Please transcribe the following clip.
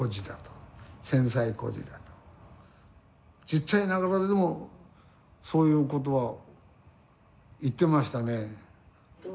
ちっちゃいながらでもそういうことは言ってましたね。